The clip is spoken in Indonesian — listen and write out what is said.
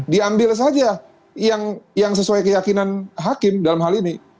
diambil saja yang sesuai keyakinan hakim dalam hal ini